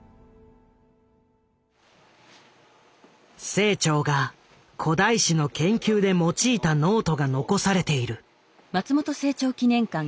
清張が古代史の研究で用いたノートが残されている。